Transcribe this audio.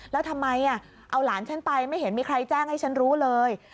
แล้วทำไมเอาหลานฉันไปไม่เห็นมีใครแจ้งให้ฉันรู้เลย